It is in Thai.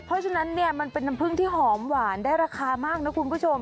เพราะฉะนั้นเนี่ยมันเป็นน้ำผึ้งที่หอมหวานได้ราคามากนะคุณผู้ชม